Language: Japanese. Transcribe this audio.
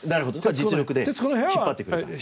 実力で引っ張ってくるという。